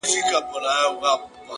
نور به نو څه وکړي مرگی تاته رسوا به سم!